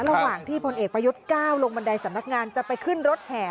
ระหว่างที่พลเอกประยุทธ์ก้าวลงบันไดสำนักงานจะไปขึ้นรถแห่